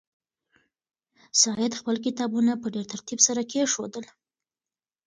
سعید خپل کتابونه په ډېر ترتیب سره کېښودل.